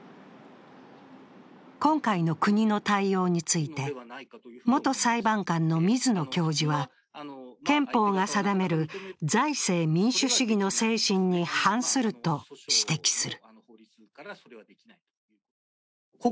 今回の国の対応について元裁判官の水野教授は憲法が定める財政民主主義の精神に反すると指摘する。